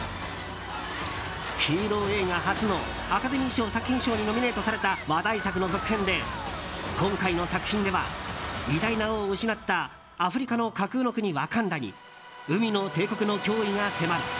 ヒーロー映画初のアカデミー賞作品賞にノミネートされた話題作の続編で今回の作品では偉大な王を失ったアフリカの架空の国ワカンダに海の帝国の脅威が迫る。